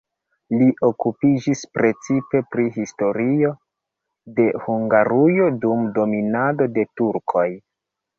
Li okupiĝis precipe pri historio de Hungarujo dum dominado de turkoj.